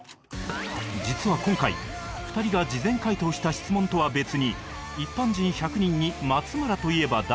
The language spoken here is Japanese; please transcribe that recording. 実は今回２人が事前回答した質問とは別に一般人１００人に「松村といえば誰？」